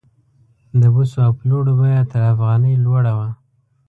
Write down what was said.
د بوسو او پړو بیه تر افغانۍ لوړه وه.